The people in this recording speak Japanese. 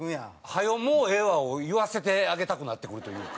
早う「もうええわ」を言わせてあげたくなってくるというか。